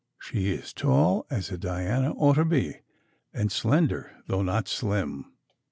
She is tall, as a Diana ought to be, and slender though not thin.